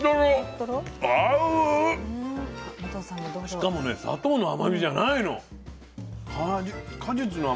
しかもね砂糖の甘みじゃないの。